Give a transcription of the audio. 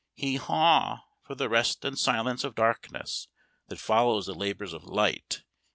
Hee haw! for the rest and silence of darkness that follow the labours of light.